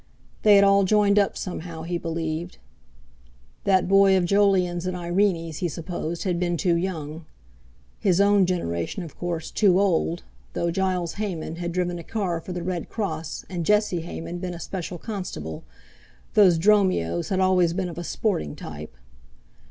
They had all joined up somehow, he believed. That boy of Jolyon's and Irene's, he supposed, had been too young; his own generation, of course, too old, though Giles Hayman had driven a car for the Red Cross—and Jesse Hayman been a special constable—those "Dromios" had always been of a sporting type!